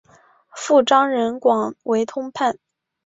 父张仁广为通判。